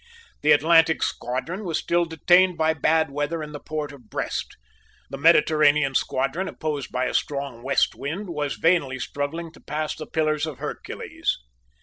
The Atlantic squadron was still detained by bad weather in the port of Brest. The Mediterranean squadron, opposed by a strong west wind, was vainly struggling to pass the pillars of Hercules.